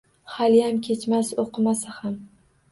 Haliyam kechmas, oʻqimasa ham.